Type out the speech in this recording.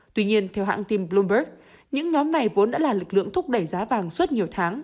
tuy nhiên theo hãng tin bloomberg những nhóm này vốn đã là lực lượng thúc đẩy giá vàng suốt nhiều tháng